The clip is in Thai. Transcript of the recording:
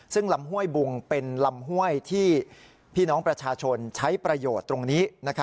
ซึ่งลำห้วยบุงเป็นลำห้วยที่พี่น้องประชาชนใช้ประโยชน์ตรงนี้